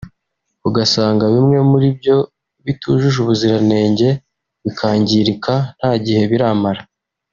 ugasanga bimwe muri byo bitujuje ubuziranenge bikangirika nta n’igihe biramara